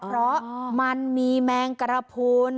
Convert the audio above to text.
เพราะมันมีแมงกระพุน